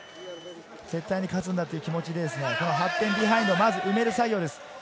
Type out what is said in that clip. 絶対に勝つんだという気持ちでビハインドをまず埋める作業です。